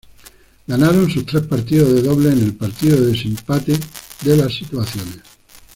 Ganaron sus tres partidos de dobles en el partido de desempate de las situaciones.